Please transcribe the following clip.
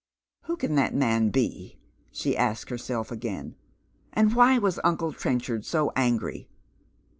" Who can that man be?" she asks herself again, "and why was uncle Trenchard so angry